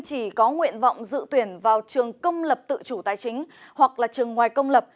chỉ có nguyện vọng dự tuyển vào trường công lập tự chủ tài chính hoặc là trường ngoài công lập